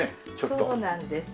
そうなんです。